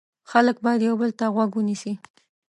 خلک باید یو بل ته غوږ ونیسي.